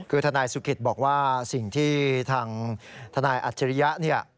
คือทนายสุขิตบอกว่าสิ่งที่ทางทนายอัจฉริยะเนี่ย